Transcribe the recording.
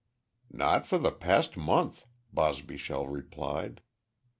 "Not for the past month," Bosbyshell replied.